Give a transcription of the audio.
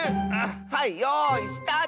はいよいスタート！